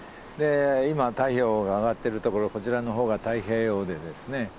今太陽が上がってるところこちらのほうが太平洋でですね